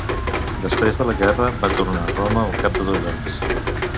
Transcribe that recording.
Després de la guerra va tornar a Roma al cap de dos anys.